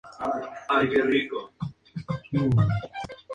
Entre sus características distintivas está la práctica de la poligamia.